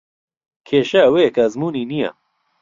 کێشە ئەوەیە کە ئەزموونی نییە.